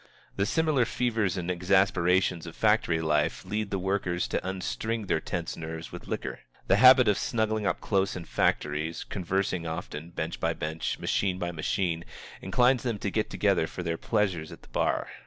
The similar fevers and exasperations of factory life lead the workers to unstring their tense nerves with liquor. The habit of snuggling up close in factories, conversing often, bench by bench, machine by machine, inclines them to get together for their pleasures at the bar.